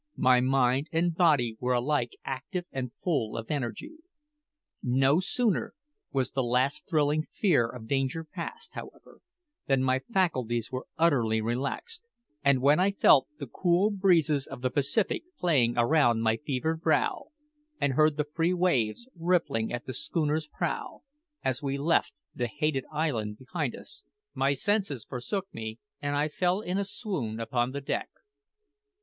My mind and body were alike active and full of energy. No sooner was the last thrilling fear of danger past, however, than my faculties were utterly relaxed; and when I felt the cool breezes of the Pacific playing around my fevered brow, and heard the free waves rippling at the schooner's prow, as we left the hated island behind us, my senses forsook me, and I fell in a swoon upon the deck.